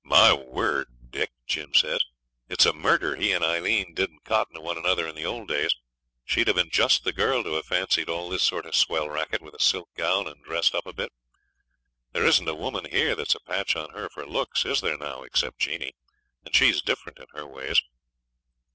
'My word! Dick,' Jim says, 'it's a murder he and Aileen didn't cotton to one another in the old days. She'd have been just the girl to have fancied all this sort of swell racket, with a silk gown and dressed up a bit. There isn't a woman here that's a patch on her for looks, is there now, except Jeanie, and she's different in her ways.'